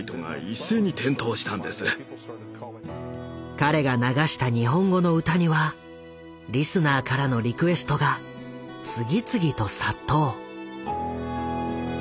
彼が流した日本語の歌にはリスナーからのリクエストが次々と殺到。